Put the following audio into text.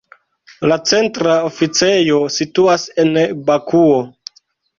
La centra oficejo situas en Bakuo.